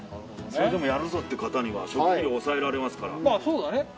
それでもやるぞって方には初期費用抑えられますから。